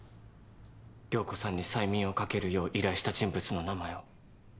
涼子さんに催眠をかけるよう依頼した人物の名前を。